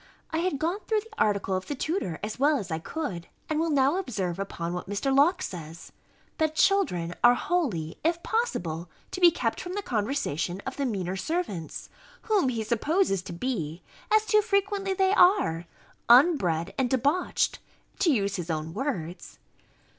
I had gone through the article of the tutor, as well as I could; and will now observe upon what Mr. Locke says, That children are wholly, if possible, to be kept from the conversation of the meaner servants; whom he supposes to be, as too frequently they are, unbred and debauched, to use his own words.